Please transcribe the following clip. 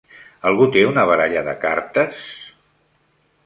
Algú té una baralla de cartes?